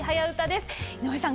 井上さん